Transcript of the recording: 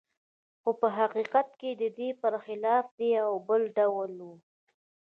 خو حقیقت د دې پرخلاف دی او بل ډول و